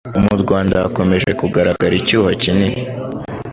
mu Rwanda hakomeje kugaragara icyuho kinini,